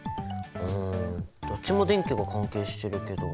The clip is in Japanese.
うんどっちも電気が関係してるけど。